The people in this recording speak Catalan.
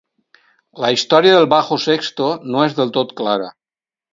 La història del bajo sexto no és del tot clara.